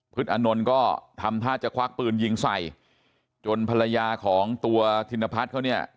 ตอนน์ก็ทำท่าจะควักปืนยิงใส่จนภรรยาของตัวธินพัฒน์เขาเนี่ย